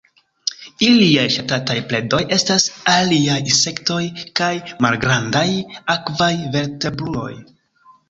Iliaj ŝatataj predoj estas aliaj insektoj kaj malgrandaj akvaj vertebruloj.